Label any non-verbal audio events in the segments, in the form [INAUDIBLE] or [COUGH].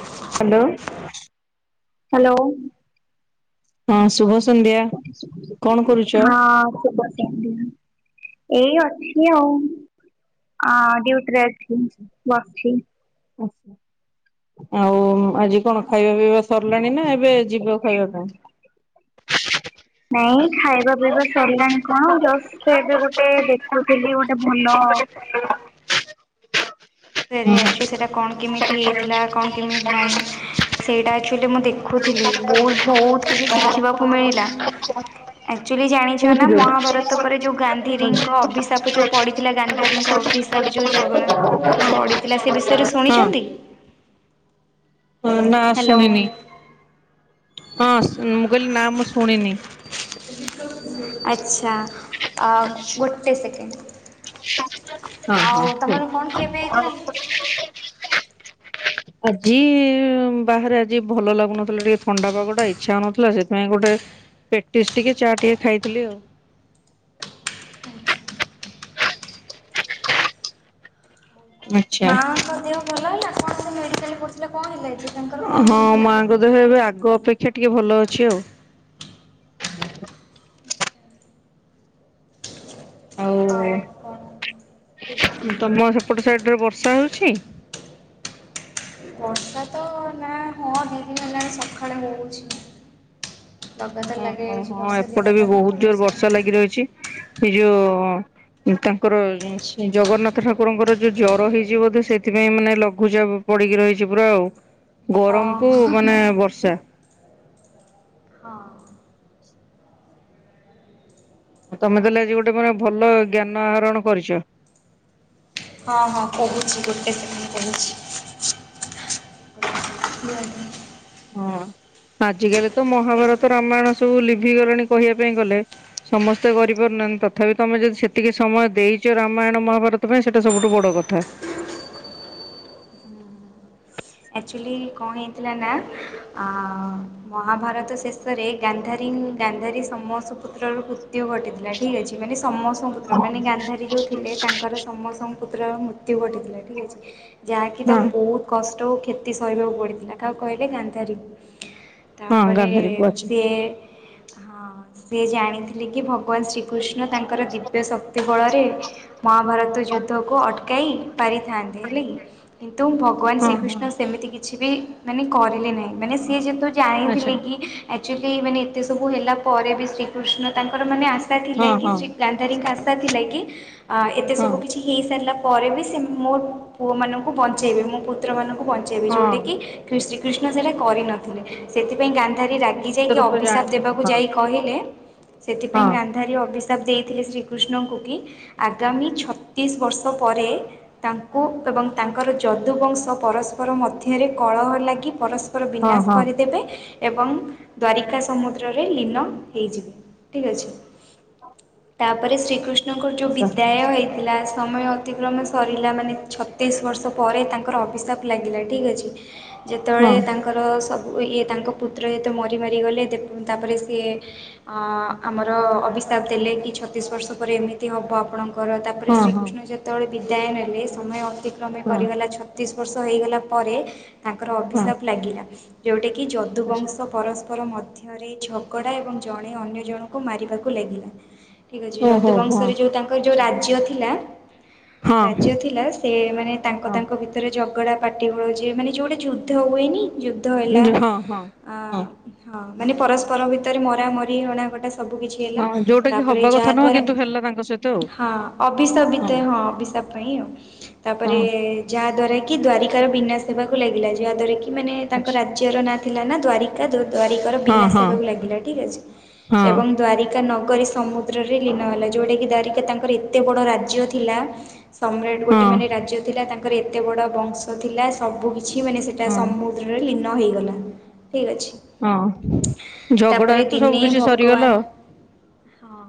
Hello. Hello. ହଁ ଶୁଭ ସନ୍ଧ୍ୟା କଣ କରୁଛ? ହଁ ସେ ଏଇ ଅଛି ଆଉ ଅ ଡ୍ୟୁଟିରେ ଅଛି। ବସଛି। ଆଚ୍ଛା। ଆଉ ଆଜି କଣ ଖାଇବା ପିଇବା ସରିଲାଣି ନା ଏବେ ଯିବ ଖାଇବା ପାଇଁ? ନାଇଁ ଖାଇବା ପିଇବା ସରିଲାଣି କଣ ଜଷ୍ଟ ଏବେ ଗୋଟେ ଦେଖୁ ସେ ବି ଗୋଟେ ଭଲ ହ ସେରେ ଅଛି ସେଇଟା କଣ କେମିତି ହେଇଥିଲା? କଣ କେମିତି ନାହିଁ? ସେଇଟା ଆକ୍ଚୁଆଲି ମୁଁ ଦେଖୁଥିଲି ବହୁତ୍ ବହୁତ୍ କିଛି ଶିଖିବାକୁ ମିଳିଲା। ଆକ୍ଚୁଆଲି ଜାଣିଛ ନା ମହାଭାରତ ପରେ ଯୋଉ ଗାନ୍ଧିଜୀଙ୍କ ଅଭିଶାପ ଯୋଉ ପଡିଥିଲା ଗାନ୍ଧାରୀଙ୍କ ଅଭି ଶାପ୍ ଯୋଉ ଜଗନ୍ନାଥ ଉପରୁ ପଡ଼ିଥିଲା ସେ ବିଷୟରେ ଶୁଣିଚନ୍ତି? ହ ନା ହ୍ୟାଲୋ। ଶୁଣିନି। ହଁ ମୁଁ କହିଲି ନାଁ ମୁଁ ଶୁଣିନି। ଆଚ୍ଛା ଆ ଗୋଟେ ସେକେଣ୍ଡ। ହଁ ହଁ ଆଉ କୁହ। ତମର କଣ ଖିଆ ପିଆ ହେଇଥିଲା? ଆଜି ବାହାରେ ଆଜି ଭଲ ଲାଗୁନଥିଲା ଟିକେ ଥଣ୍ଡା ପାଗଟା ଇଚ୍ଛା ହଉନଥିଲା ସେଥିପାଇଁ ଗୋଟେ ପେଟିସ୍ ଟିକେ ଚା ଟିକେ ଖାଇଥିଲି ଆଉ। ଆଚ୍ଛା। ମାଆଙ୍କ ଦେହ ଭଲ ହେଲା? କଣ ସେ ମେଡିକାଲରେ ପଡ଼ିଥିଲେ କଣ ହେଲା ଯେ ତାଙ୍କର କଣ ହେଇଥିଲା? ବେ ଏବେ ଏବେ ଆଗ ଅପେକ୍ଷା ଟିକେ ଭଲ ଅଛି ଆଉ। ଆଉ ହ ଏଇ ଗୋଟେ। ସେପଟେ ସାଇଡ୍ ରେ ବର୍ଷା ହଉଛି? ବର୍ଷା ତ ନା ହଁ ଦି ଦିନ ହେଲାଣି ସଖାଳେ ହଉଛି। ଲଗାତାର ଉଁ ଲାଗି ହୁଁ ରହିଛି ହଁ ବର୍ଷା ଏପଟେ ଦିନଟା ବି ନା ତ ବହୁତ ଜୋର୍ ହଁ ବର୍ଷା ଲାଗି ରହିଛି ଏଇ ଯୋଉ ଉଁ ତାଙ୍କର ଜଗନ୍ନାଥ ଠାକୁରଙ୍କର ଯୋଉ ଜର ହେଇଛି ବୋଧେ ସେଥିପାଇଁ ମାନେ ଲଘୁଚାପ ପଡ଼ିକି ରହିଛି ପୁରା ଆଉ ଗରମ କୁ ମାନେ ବର୍ଷା। ହଁ। ତମେ ତାହେଲେ ଆଜି ଗୋଟେ ମାନେ ଭଲ ଜ୍ଞାନ ଆହରଣ କରିଛ। ହଁ ହଁ କହୁଛି ଗୋଟେ ସେକେଣ୍ଡ କହୁଛି। ହଁ ଆଜିକାଲି ତ ମହାଭାରତ ରାମାୟଣ ସବୁ ଲିଭି ଗଲେଣି କହିବା ପାଇଁ ଗଲେ। ସମସ୍ତେ କରିପାରୁନାନ୍ତି ତଥାପି ତମେ ଯଦି ସେତିକି ସମୟ ଦେଇଚ ରାମାୟଣ ମହାଭାରତ ତୋ ପାଇଁ ସେଇଟା ସବୁଠୁ ବଡ କଥା। ଆକ୍ଚୁଲି କଣ ହେଇଥିଲା ନା ଆ ମହାଭାରତ ଶେଷ ଶେଷରେ ଗାନ୍ଧାରୀ ଗାନ୍ଧାରୀ ସମ ସୁପୁତ୍ରର ପୁତ୍ୟୁ ଘଟିଥିଲା। ଠିକ୍ ଅଛି ମାନେ ସମସ୍ତ ପୁତ୍ର ମାନେ ଗାନ୍ଧାରୀ ଯୋଉ ଥିଲେ ତାଙ୍କର ସମସ୍ତଙ୍କ ପୁତ୍ରର ମୃତ୍ୟୁ ଘଟିଥିଲା ଠିକ୍ ଅଛି। ଯାହାକି ତାକୁ ହଁ ବହୁତ କଷ୍ଟହଉ କ୍ଷତି ସହିବାକୁ ପଡ଼ିଥିଲା କାହାକୁ କହିଲେ ଗାନ୍ଧାରୀଙ୍କୁ। ହଁ ତାପରେ ଗାନ୍ଧାରୀ ପୁଅ ଅଛି ସିଏ ହଁ ସିଏ ଜାଣିଥିଲେ କି ଭଗବାନ ଶ୍ରୀ କୃଷ୍ଣ ତାଙ୍କର ଦିବ୍ୟ ଶକ୍ତି ବଳରେ ମହାଭାରତ ଯୁଦ୍ଧକୁ ଅଟ୍ କାଇ ପାରିଥାନ୍ତେ ହେଲା କି। କିନ୍ତୁ ଭଗବାନ ହଁ ଶ୍ରୀକୃଷ୍ଣ ହଁ ତ ସେମିତି କିଛି ବି ମାନେ କରିଲେ ନାହିଁ ମାନେ ସିଏ ଯେହେତୁ ଆଚ୍ଛା ଜାଣିଥିଲେ କି ଆକ୍ଚୁଲି ମାନେ ଏତେ ସବୁ ହେଲା ପରେ ବି ଶ୍ରୀକୃଷ୍ଣ ତାଙ୍କର ମାନେ ଆସ୍ ଶା ହଁ ଥିଲା କି ହଁ ଶ୍ରୀ ଗାନ୍ଧାରୀଙ୍କ ଆଶା ଥିଲା କି ଅଁ ଏତେ ହଁ ସବୁ କିଛି ହେଇସାରିଲା ପରେ ବି ସେ ମୋ ପୁଅ ମାନଙ୍କୁ ବଞ୍ଚେଇବେ। ମୋ ପୁତ୍ର ମାନଙ୍କୁ ବଞ୍ଚେ ଇବେ। ଯୋଉଟା ହଁ କି କ୍ରୀଶ୍ରୀକୃଷ୍ଣ ସେଟା କରିନଥିଲେ ସେଥିପାଇଁ ଗାନ୍ ଧାରୀ ସେ ତ ରାଗି ନିଶ୍ଚିତ ଯାଇକି ରୂପରେ ଅଭିଶାପ ଜାଣିଥିବ ଦେବାକୁ ହଁ ଯାଇ କହିଲେ ସେଥିପାଇଁ ହଁ ଗାନ୍ ଧାରି ଅଭିଶାପ ଦେଇଥିଲେ ଶ୍ରୀକୃଷ୍ଣଙ୍କୁ କି ଆଗାମୀ ଛତିଶ ବର୍ଷ ପରେ ତାଙ୍କୁ ଏବଂ ତାଙ୍କର ଯଦୁବଂଶ ପରସ୍ ପର ମଧ୍ୟରେ କଳହ ଲାଗି ପରସ୍ପର ହଁ ବିନାଶ ହଁ କରିଦେବେ। ଏବଂ ଦ୍ୱାରିକା ସମୁଦ୍ରରେ ଲୀନ ହେଇଯିବେ। ଠିକ୍ ଅଛି। ତାପରେ ଶ୍ରୀକୃଷ୍ଣଙ୍କର ଯୋଉ ଆଛା ବିଦ୍ୟାାୟ ହେଇଥିଲା, ସମୟ ଅତିକ୍ରମ ସରିଲା। ମାନେ ଛତିଶ ବର୍ଷ ପରେ, ତାଙ୍କର ଅଭିଶାପ ଲାଗିଲା ଠିକ୍ ଅଛି। ହଁ ଯେତେବେଳେ ତାଙ୍କର ସବୁ ଇଏ ତାଙ୍କ ପୁତ୍ର ଯେତେ ମରି ମାରିଗଲେ ତାପରେ ସିଏ ଅ ଆମର ଅଭିଶାପ ଦେଲେ କି ଛତିଶ ବର୍ଷ ପରେ ଏମିତି ହବ ଆପଣଙ୍କ କର ତାପରେ ହଁ ହଁ ଶ୍ରୀକୃଷ୍ଣ ଯେତେବେଳେ ବିଦାୟନ ନେଲେ ସମୟ ଅତିକ୍ରମେ ହଁ କରିଗଲା ଛତିଶ ବର୍ଷ ହେଇଗଲା ପରେ। ତାଙ୍କର ହଁ ଅଭିଶାପ ଲାଗିଲା, ଜଉଠା କି ଜଦୁ ଯଦୁ ଆଛା ବଂଶ ପରସ୍ପର ମଧ୍ୟ ରେ, ଝଗଡ଼ା ଏବଂ ଜଣେ ଅନ୍ୟ ଜଣଙ୍କୁ ମାରିବାକୁ ଲାଗିଲା। ଠିକ୍ ଅଛି। ଓହୋ ହଁ ଯଦୁବଂଶରେ ଯେଉଁ ତାଙ୍କର ଯେଉଁ ଆଛା ରାଜ୍ୟ ଥିଲା ହଁ ରାଜ୍ୟ ଥିଲା। ସେ ମାନେ ତାଙ୍କ ହଁ ତାଙ୍କ ଭିତରେ ଜ ଝଗଡ଼ା ପାଟିଗଳ ଯଏ ମାନେ ଯୋଉ ଗୋଟେ ଯୁଦ୍ଧ ହୁଏନି, ଯୁଦ୍ଧ ହେଲା ଯୋ ହଁ ହଁ ହଁ ହଁ ମାନେ ପରସ୍ପର ଭିତରେ ମରା ମରି ହଣାକଟା ସବୁ କିିଛି ହେଲା। ହଁ ଯୋଉଟା କି ତାପରେ ହବା କଥା ନୁହଁ କିନ୍ତୁ ଯାହାଦ୍ୱାରା ହେଲା ତାଙ୍କ ସହିତ ହଁ ଅଭିଶାପ ବିିତ ଆଉ ହଁ ଅଭିଶାପ ପାଇଁ ଆଉ। ହଁ ତାପରେ ହଁ ଯାହା ଦ୍ଵାରା କି ଦ୍ୱାରିକାର ବିନାଶ ହେବାକୁ ଲାଗିଲା। ଯାହା ଦ୍ଵାରା କି ମାନେ ତାଙ୍କ ଆଛା ରାଜ୍ୟର ନାଁ ଥିଲା ନା ଦ୍ଵାରିକା ଦ୍ୱାରିକାର ହଁ ବିନାଶ ହଁ ହବାର ଲାଗିଲା ଠିକ୍ ଅଛି। ହଁ ଏବଂ ଦ୍ୱାରିକା ନଗରୀ ସମୁଦ୍ରରେ ଲୀନ ହେଲା। ଯେଉଟାକି ଦ୍ୱାରିକା ତାଙ୍କର ଏତେ ବଡ଼ ରାଜ୍ୟ ଥିଲା ସମ୍ରାଟ ଗୋଟେ ହଁ ମାନେ ରାଜ୍ୟ ଥିଲା। ତାଙ୍କର ଏତେ ବଡ଼ ବଂଶ ଥିଲା। ସବୁ କିିଛି ମାନେ ସେଇଟା ହଁ ସମ ରେ ଲୀନ ହେଇଗଲା ଠିକ୍ ଅଛି। ହଁ ଝଗଡା ତାପରେ ହେତୁ ସବୁ ଦିନେ କିଛି ସରିଗଲା। ଭଗବାନ ହଁ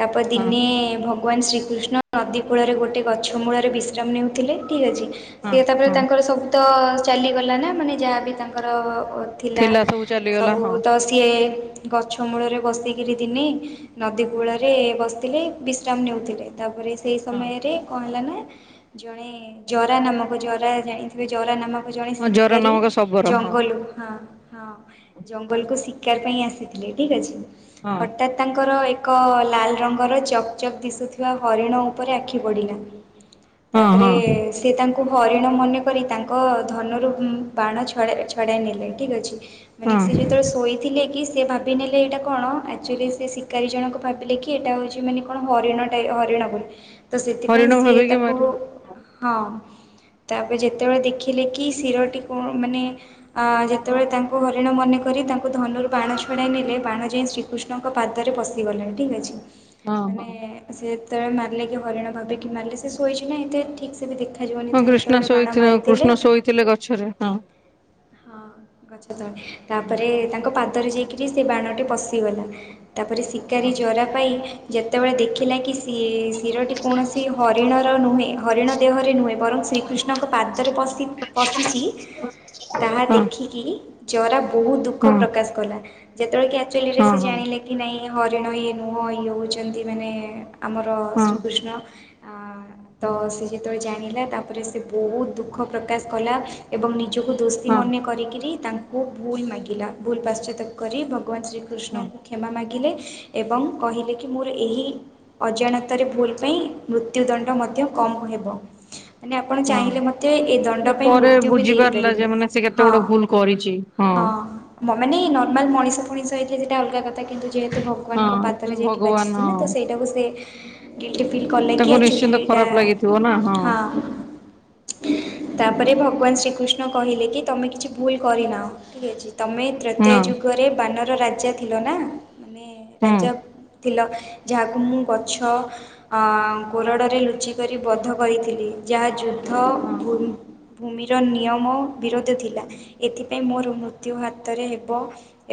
ତାପରେ ହଁ ଦିନେ ଭ ଭଗବାନ ଶ୍ରୀକୃଷ୍ଣ ନଦୀ କୂଳରେ ଗୋଟେ ଗଛ ମୂଳରେ ବିଶ୍ରାମ ନେଉଥିଲେ ଠିକ୍ ଅଛି ହଁ ସିଏ ତାପରେ ହଁ ତାଙ୍କର ସବୁ ତ ଚାଲିଗଲା ନା ମାନେ ଯାହାବି ତାଙ୍କର ଥିଲା ସବୁ ଚାଲିଗଲା ସବୁ ହଁ ତ ସିଏ ଗଛ ମୂଳରେ ବସିକିରି ଦିନେ ନଦୀ କୂଳରେ ବସିଥିଲେ। ବିଶ୍ରାମ ନେଉଥିଲେ। ତାପରେ ସେହି ହଁ ସମୟରେ କଣ ହେଲା ନା, ଜଣେ ଜରା ନାମକ, ଜରା ଜାଣିଥିବେ ଜରା ନାମକ ଆଉ ଜଣେ ଜର ଶିକାରୀ, ନାମକ ଶବର ହଁ ଜଙ୍ଗଲ ରୁ ହଁ ହଁ ଜଙ୍ଗଲକୁ ଶିକାର ପାଇଁ ଆସିଥିଲେ ଠିକ୍ ଅଛି। ହଁ ହଠାତ୍ ତାଙ୍କର ଏକ ଲାଲ ରଙ୍ଗର ଚକ୍ ଚକ୍ ଦିଶୁଥିବା ହରିଣ ଉପରେ ଆଖି ପଡ଼ିଲା ହଁ ତାପରେ ହଁ ସେ ତାଙ୍କ ହରିଣ ମନେକରି ତାଙ୍କ ଧନରୁ ପ୍ରାଣ ଛ-ଛଡାଇ ନେଲେ। ଠିକ୍ ଅଛି। ମାନେ ହଁ ସିଏ ଯେତେବେଳେ ଶୋଇଥିଲେ କି ସେ ଭାବ ଭାବି ନେଲେ ଏଇଟା କଣ, ଆକ୍ଚୁଆଲି ସେ ଶିକାରୀ ଜଣକ ଭାବିଲେ କି ଏଇଟା ହେଉଛି ମାନେ କଣ ହରିଣ ଟ ହରିଣ ବୋଲି। ତ ସେଥିପାଇଁ ହରିଣ ସିଏ ଭାବିକି ତାକୁ, ମାରିଲେ। ହଁ। ତାପରେ ଯେତେବେଳେ ଦେଖିଲେ କି ଶିରଟି କଣ ମାନେ ଅ ଯେତେବେଳେ ତାଙ୍କୁ ହରିଣ ମନେକରି ତାଙ୍କୁ ଧନରୁ ବାଣ ଛଡାଇ ନେଲେ, ବାଣ ଯାଇ ଶ୍ରି କୃଷ୍ଣଙ୍କ ପାଦରେ ପଶିଗଲାଣି, ଠିକ୍ ଅଛି। ହଁ ମାନେ ହଁ। ସେ ଯେତେବେଳେ ମାରିଲେ କି ହରିଣ ଭାବେ କି ମାରିଲେ ସେ ଶୋଇଛି ନା ଏତେ ଠିକ୍ ସେ ବି ଦେଖାଯିବ ହଁ କୃଷ୍ଣ ଶୋଇଥିଲେ କୃଷ୍ଣ ଶୋଇଥିଲେ ଗଛରେ। ହଁ। ହଁ। ଗଛ ତଳେ। ହଁ ତାପରେ ତାଙ୍କ ପାଦରେ ଯାଇକରି ସେ ବାଣଟି ପଶିଗଲା ତାପରେ ସିକାରି ହଁ ଜ୍ୱରା ପାଇଁ ଯେତେବେଳେ ଦେଖିଲା କିି ଶିଏ ଶିରଟି କୌଣସି ହରିଣର ନୁହେଁ। ହରିଣ ଦେହରେ ନୁହେଁ ବରଂ ଶ୍ରୀକୃଷ୍ଣଙ୍କ ପାଦରେ ପଶି- ପଶିଚି ତାହା ହଁ ଦେଖିକି ଜରା ବହୁତ୍ ଦୁଃଖ ହଁ ପ୍ରକାଶ କଲା। ଯେତେବେଳେ କି ଆକ୍ଚୁଆଲ୍ ହଁ ରେ ହଁ ସେ ହଁ। ଜାଣିଲେ କି ନାଇଁ ହରିଣ ଇଏ ନୁହଁ। ଇଏ ହଉଛନ୍ତି ମାନେ ଆମର ଶ୍ରୀକୃଷ୍ଣ ଆ ତ ସେ ଯେତେବେଳେ ଜାଣିଲା ତା ତାପରେ ସେ ବହୁତ ଦୁଃଖ ପ୍ରକାଶ କଲା। ଏବଂ ନିଜକୁ ଦୋଷୀ ହଁ ମନେ କରିକିରି ତାଙ୍କୁ ଖୁ ଭୁଲ ମାାଗିଲଲା ଭୁଲ ପାଶ୍ଚାତ୍ୟ କରି ଭଗବାନ ହଁ ଶ୍ରୀକୃଷ୍ଣଙ୍କୁ କ୍ଷମା ମାଗିଲେ। ଏବଂ କହିଲେ କି ମୋର ଏହି ଅଜାଣତରେ ଭୁଲ ପାଇଁ ମୃତ୍ୟୁଦଣ୍ଡ ମଧ୍ୟ କମ୍ ହେବ। ଆପଣ ହଁ ଚାହିଁଲେ ମୋତେ ଏ ଦଣ୍ଡ ସେ ପାଇଁ ପରେ ମୃତ୍ୟୁ ବି ବୁଝି ପାରିଲା ଯେ ଦେଇପାରିବେ ମାନେ ସେ କେତେ ହଁ। ବଡ ଭୁଲ କରିଛି ହଁ ମାନେ ନର୍ମାଲ ମଣିଷ ଫଣିଷ ହେଇଥିଲେ ସେଟା ଅଲଗା କଥା କିନ୍ତୁ ଯେହେତୁ ଭ ଭଗବାନଙ୍କ ହଁ ସେ ପାଦରେ ଯାଇକି ଭଗବାନ ବାଛିଛି ନା ତ ହଁ ସେଇଟାକୁ ସେ ଗିଲ୍ଟୀ ଫିଲ୍ କଲେ କି ତାଙ୍କୁ ଆକଚୁଆଲି ନିଶ୍ଚିନ୍ତ ଏଇଟା ଖରାପ ଲାଗିଥିବ ନା ହଁ। ତାପରେ ଭଗବାନ ଶ୍ରୀକୃଷ୍ଣ କହିଲେ କି ତୁମେ କିଛି ଭୁଲ୍ କରିନାଅ ଠିକ୍ ଅଛି ତମେ ତ୍ରେତୟା ହଁ ଯୁଗରେ ବାନର ରାଜା ଥିଲ ନା ମାନେ ହିଁ ହଁ ରାଜା ଥିଲ ଯାହାକୁ ମୁଁ ଗଛ ଅ କୋରଡ଼ରେ ଲୁଚିିକରି ବଧ କରିଥିଲି ଯାହା ଯୁଦ୍ଧ ହଁ ଭୁ ଭୂମିର ନିୟମ ବିରୋଧ ଥିଲା ଏଥିପାଇଁ ମୋର ମୃତ୍ୟୁ ହାତରେ ହେବ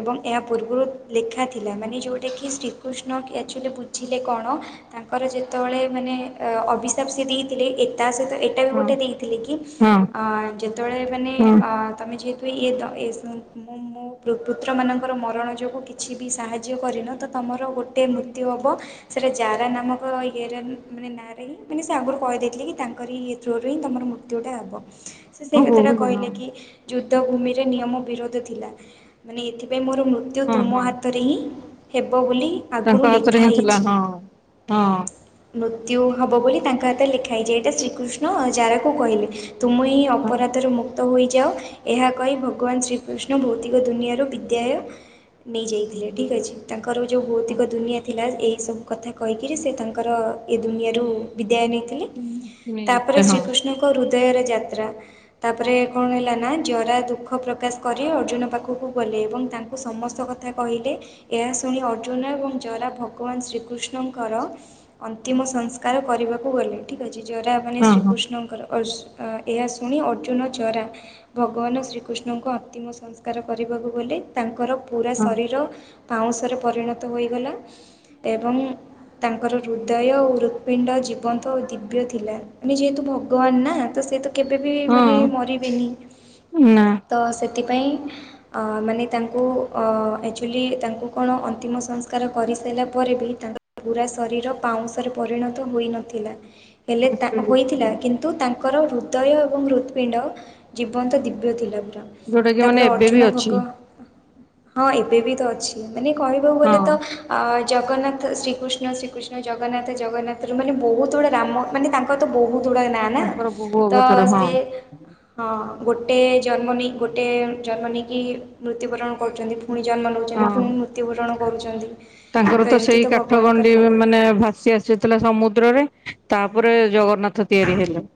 ଏବଂ ଏହା ପୂର୍ବରୁ ଲେଖା ଥିଲା ମାନେ ଯେଉଟା କିି ଶ୍ରୀକୃଷ୍ଣ କି ଆଚୁଆଲି ବୁଝିଲେ କଣ ତାଙ୍କର ଯେତେବେଳେ ମାନେ ଅ ଅଭିଶାପ ସେ ଦେଇଥିଲେ ଏ ତା ସହିତ ଏଇଟା ବି ଗୋଟେ ହଁ ଦେଇଥିଲେ କି ହଁ ଅ ଯେତେବେଳେ ମାନେ ହଁ। ଅ ତମେ ଯିଏତୁ ହୁଏ ଇଏ ତ ମୁଁ ମୋ ପୁତ୍ରମାନଙ୍କର ମରଣ ଯୋଗୁଁ କିଛି ବି ସାହାଯ୍ୟ କରିନ ତ ତମର ଗୋଟେ ମୃତ୍ୟୁ ହବ ସେଇଟା ଜାରା ନାମକ ଇଏର ମାନେ ନାଁରେ ହିଁ ମାନେ ସେ ଆଗରୁ କହିଦେଇଥିଲେ କି ତାଙ୍କ ତାଙ୍କରି ଇଏ ଥ୍ରୋ୍ ହିଁ ତମର ମୃତ୍ୟୁା ଟା ହବ ସେ ସେଇ ହଁ କଥାଟା ବହୁ ହଁ କହିଲେ କି ଯୁଦ୍ଧ ଭୂମିରେ ନିୟମ ବିରୋଧ ଥିଲା ମାନେ ଏଥିପାଇଁ ମୋର ମୃତ୍ୟୁ ହଁ ତୁମ ହଁ ହାତରେ ହିଁ ହେବ ବୋଲି ତାଙ୍କ ଆଗରୁ ହାତରେ ଲେଖା ହିଁ ଥିଲା ହେଇଛି। ହଁ ହଁ ମୃତ୍ୟୁ ହବ ବୋଲି ତାଙ୍କ ହାତରେ ଲେଖା ହେଇଚି ଏଇଟା ଶ୍ରୀକୃଷ୍ଣ ଜାରାକୁ କହିଲେ। ତୁମ ହିଁ ହଁ। ଅପରାଧର ମୁ ନ୍ତ ହୋଇଯାଉ ଏହା କହି ଭଗବାନ ଶ୍ରୀକୃଷ୍ଣ ଭୌତିକ ଦୁନିଆରୁ ବିଦ୍ୟାୟ ନେଇଯାଇଥିଲେ ଠିକ୍ ଅଛି ତାଙ୍କର ଯୋଉ ହଁ ଭୌତିକ ଦୁନିଆ ଥିଲା ଏହିଇସବୁ କଥା କହିକିରି ସେ ତାଙ୍କର ଏ ଦୁନିଆରୁ ବିଦାୟ ନେଇଥିଲେ। ହଁ ହଁ ତାପରେ ଶ୍ରୀକୃଷ୍ଣଙ୍କ ହୃଦୟରେ ଯାତ୍ରା ତାପରେ କଣ ହେଲା ନା ଜରା ଦୁଃଖ ପ୍ରକାଶ କରି ଅର୍ଜୁନ ପାଖକୁ ଗଲେ ଏବଂ ତା ସମସ୍ତ କଥା କହିଲେ ଏହା ଶୁଣି ଅର୍ଜୁନ ଏବଂ ଜରା ଭଗବାନ ଶ୍ରୀକୃଷ୍ଣଙ୍କର ଅନ୍ତିମ ସଂସ୍କାର କରିବାକୁ ଗଲେ ଠିକ୍ ଅଛି ଜରା ମାନେ ହଁ ଶ୍ରୀକୃଷ୍ଣଙ୍କର ଅର୍ଜୁ ଅ ଏହା ଶୁଣି ଅର୍ଜୁନ ଜରା ଭଗବାନ ଶ୍ରୀକୃଷ୍ଣଙ୍କ ଅନ୍ତିମ ସଂସ୍କାର କରିବାକୁ ଗଲେ ତାଙ୍କର ପୁରା ହଁ ଶରୀର ପାଉଁଶରେ ପରିଣତ ହୋଇଗଲା। ଏବଂ ତାଙ୍କର ହୃଦୟ ଓ ହୃତ୍ପିଣ୍ଡ ଜୀବନ୍ତ ଓ ଦିବ୍ୟ ଥିଲା। ମାନେ ଯେହେତୁ ଭଗବାନ ନା ତ ସିଏତ କେବେ ବି ମାନେ ହଁ ମରିବେନି ନା ତ ସେଥିପାଇଁ ଅ ମାନେ ତାଙ୍କୁ ଅ ଆକ୍ଚୁଲି ତାଙ୍କୁ କଣ ଅନ୍ତିମ ସଂସ୍କାର କରିସାରିଲା ପରେ ବି ତାଙ୍କ ପୁରା ଶରୀର ପାଉଁଶରେ ପରିଣତ ହୋଇନଥିଲା ହେଲେ ତା ହୋଇଥିଲା କିନ୍ତୁ ତାଙ୍କର ହୃଦୟ ଏବଂ ହୃତପିଣ୍ଡ ଜୀବନ୍ତ ଦିବ୍ୟ ଥିଲା ପୁରା। ଯୋଉଟା କି ମାନେ ତାପରେ ଏବେ ଅର୍ଜୁନ ବି ଭୋଗ ଅଛି ହଁ ଏବେ ବି ତ ଅଛି ମାନେ କହିବାକୁ ଗଲେ ହଁ ତ ଅ ଜଗନ୍ନାଥ ଶ୍ରୀକୃଷ୍ଣ ଶ୍ରୀକୃଷ୍ଣ ଜଗନ୍ନାଥ ଜଗନ୍ନାଥ ର ମାନେ ବହୁତ ଗୁଡ଼ା ରାମ ମାନେ ତାଙ୍କ ବହୁତ ଗୁଡ ନା ନା ତାଙ୍କର ବହୁ ତ ଅବତାର ହଁ ସେ ହ ଗୋଟେ ଜନ୍ମ ନେଇ ଗୋଟେ ଜନ୍ମ ନେଇକି ମୃତ୍ୟୁବରଣ କରୁଛନ୍ତି ପୁଣି ଜନ୍ମ ନେଉଛନ୍ତି ହଁ ପୁଣି ମୃତ୍ୟୁବରଣ କରୁଛନ୍ତି ତାଙ୍କର ତ ଏମିତି ସେଇ କାଠ ଗଣ୍ଡି ଭଗବାନଙ୍କର ଲାଗେ ମାନେ ଭାସି ଆସି ଥିଲା ସମୁଦ୍ରରେ ତାପରେ ଜଗନ୍ନାଥ ତିଆରି ହେଲେ।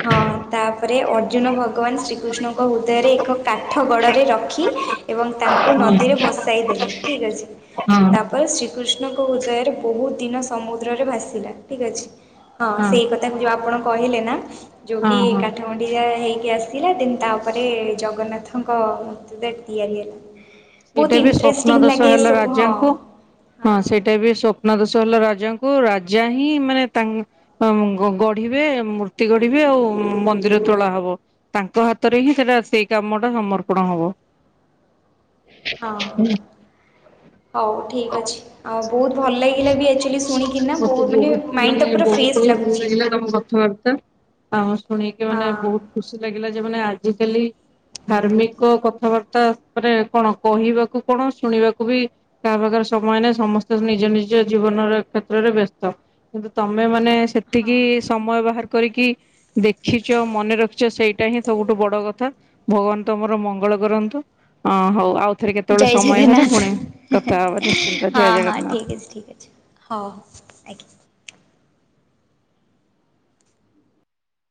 ହଁ ତାପରେ ଅର୍ଜୁନ ଭଗବାନ ଶ୍ରୀକୃଷ୍ଣଙ୍କ ହୃଦୟରେ ଏକ କାଠ ଗଡ଼ରେ ରଖି ଏବଂ ତାଙ୍କୁ ହଁ ହଁ ନଦୀରେ ଭସାଇ ଦେଲେ ଠିକ୍ ଅଛି ହଁ ତାପରେ ହଁ ଶ୍ରୀ କୃଷ୍ଣଙ୍କ ହୃଦୟରେ ବହୁତ ଦିନ ସମୁଦ୍ରରେ ଭାସିଲା ଠିକ୍ ଅଛି ହଁ ସେଇ କଥା ତାକୁ ଯେଉଁ ଆପଣ କହିଲେ ନା ଯେଉଁ କି ହଁ ହଁ କାଠମୁଣ୍ଡିରେ ହେଇକି ଆସି ଆସିଲା ଦିନ୍ ତାପରେ ଜଗନ୍ନାଥଙ୍କ [UNINTELLIGIBLE] ରେ ତିଆରି ହେଲା‌। ସେଇଟା ବି ସ୍ବପ୍ନ ଦୋଷ ହେଲା ହଁ ରାଜାଙ୍କୁ। ହଁ ସେଇଟା ବି ସ୍ଵପ୍ନ ଦୋଷ ହେଲା ରାଜାଙ୍କୁ ରାଜା ହିଁ ମାନେ ତା ଉଁ ଗ-ଗ ଗଢିବେ ମୂର୍ତ୍ତି ଗଢିବେ ଆଉ ମନ୍ଦିର ତୋଳା ହବ। ତାଙ୍କ ହାତରେ ହିଁ ସେଟା ସେଇ କାମ ଟା ସମର୍ପଣ ହବ। ହଁ ହୋଉ ଠିକ୍ ଅଛି। ଆଉ ବୋହୁତ ଭଲ ଲାଗିଲା ବି ଆକଚ୍ୟୁଆଲି ଶୁଣିକିନା ମତେ ବୋହୁ ମାନେ ମାଇଣ୍ଡଟା ପୁରା ଫ୍ରେଶ ଲାଗୁଚି। ଠାକୁରଙ୍କ କଥାବାର୍ତ୍ତା ଆ ଶୁଣିକି ହଁ ମାନେ ବୋହୁତ ଖୁସି ଖୁସି ଲାଗିଲା ଯେ ମାନେ ଆଜିକାଲି ଧାର୍ମିକ କଥାବାର୍ତ୍ତା ଉପରେ କଣ କହିବାକୁ କଣ ଶୁଣିବାକୁ ବି କାହା ପାଖରେ ସମୟ ନାହି ସମସ୍ତେ ନିଜ ନିଜ ଜୀବନର କ୍ଷେତ୍ରରେ ବ୍ୟସ୍ତ। କିନ୍ତୁ ତମେ ମାନେ ସେତିକି ହଁ ସମୟ ବାହାର କରିକି ଦେଖିଚ ମନେ ରଖିଚ ସେଇଟା ହିଁ ସବୁଠୁ ବଡ କଥା। ଭଗବାନ ତମର ମଙ୍ଗଳ କରନ୍ତୁ ଆ ହୋଉ ଆଉ ଜୟ ଜଗନ୍ନାଥ ହେଁ ହବା ନିଶ୍ଚିନ୍ତ ହେଁ ଜୟ ହଁ ହଁ ଜଗନ୍ନାଥ। ଠିକ୍ ଅଛି ଠିକ୍ ଅଛି ହୋଉ।